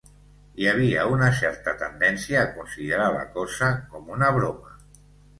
Hi havia una certa tendència a considerar la cosa com una broma